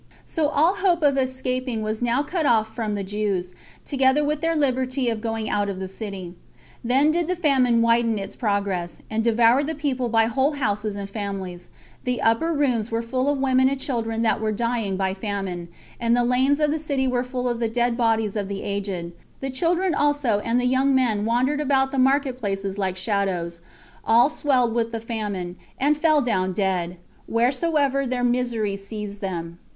So all hope of escaping was now cut off from the Jews, together with their liberty of going out of the city. Then did the famine widen its progress, and devoured the people by whole houses and families; the upper rooms were full of women and children that were dying by famine, and the lanes of the city were full of the dead bodies of the aged; the children also and the young men wandered about the market places like shadows, all swelled with the famine, and fell down dead, wheresoever their misery seized them.